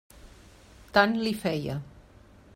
Tant li feia.